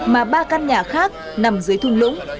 mà ba căn nhà khác nằm dưới thung lũng